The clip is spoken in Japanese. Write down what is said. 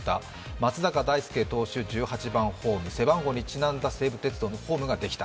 松坂大輔投手、１８番ホーム、背番号にちなんだ西武鉄道のホームができた。